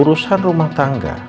urusan rumah tangga